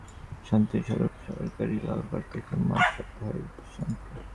শাস্তিস্বরূপ সরাসরি লাল কার্ড দেখে মাঠ ছাড়তে হয় বিশ্বনাথকে।